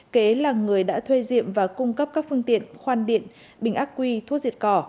kế là người đã thuê diệm và cung cấp các phương tiện khoan điện bình ác quy thuốc diệt cỏ